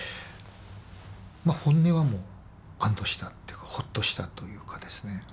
まあ本音は安どしたっていうかほっとしたというかですね。